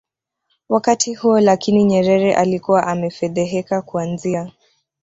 wakati huo Lakini Nyerere alikuwa amefedheheka Kuanzia